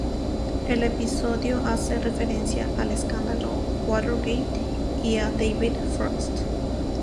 El episodio hace referencia al escándalo Watergate y a David Frost.